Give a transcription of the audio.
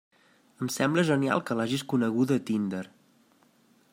Em sembla genial que l'hagis coneguda a Tinder!